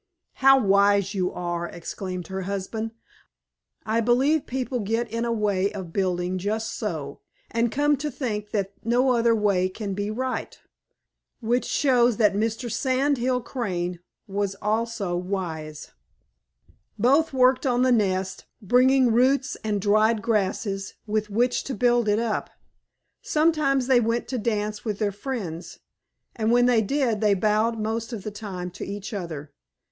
"How wise you are!" exclaimed her husband. "I believe people get in a way of building just so, and come to think that no other way can be right." Which shows that Mr. Sand Hill Crane was also wise. Both worked on the nest, bringing roots and dried grasses with which to build it up. Sometimes they went to dance with their friends, and when they did they bowed most of the time to each other.